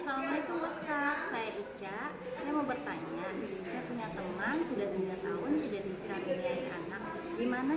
saya mau bertanya